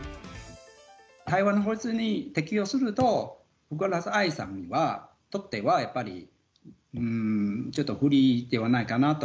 台湾の法律に適用すると、福原愛さんにとっては、ちょっと不利ではないかなと。